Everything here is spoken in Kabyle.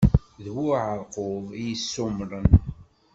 D bu uɛaṛqub i yessummṛen.